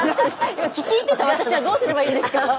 今聞き入ってた私はどうすればいいんですか？